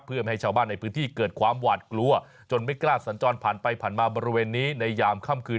เพื่อไม่ให้ชาวบ้านในพื้นที่เกิดความหวาดกลัวจนไม่กล้าสัญจรผ่านไปผ่านมาบริเวณนี้ในยามค่ำคืน